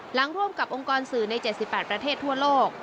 ร่วมกับองค์กรสื่อใน๗๘ประเทศทั่วโลก